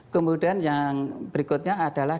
kemudian yang berikutnya adalah